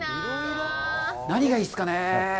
何がいいですかね？